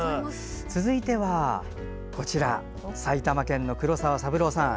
続いては埼玉県の黒澤三郎さん。